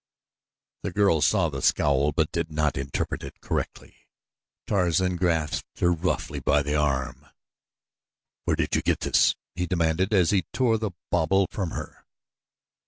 The girl saw the scowl but did not interpret it correctly. Tarzan grasped her roughly by the arm. "Where did you get this?" he demanded, as he tore the bauble from her.